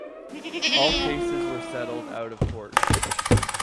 All cases were settled out of court.